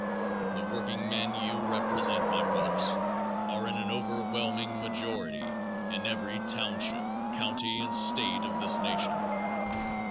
The workingmen you represent, my brothers, are in an overwhelming majority in every township, county and state of this nation.